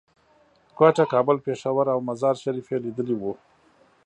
کوټه، کابل، پېښور او مزار شریف یې لیدلي وو.